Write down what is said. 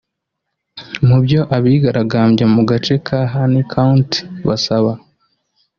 Mu byo abigaragambya mu gace ka Harney County basaba